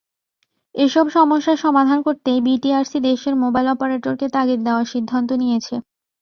এসব সমস্যার সমাধান করতেই বিটিআরসি দেশের মোবাইল অপারেটরকে তাগিদ দেওয়ার সিদ্ধান্ত নিয়েছে।